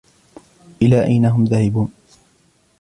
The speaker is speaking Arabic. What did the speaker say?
إلى أين هم ذاهبون ؟